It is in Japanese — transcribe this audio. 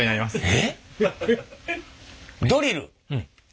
えっ？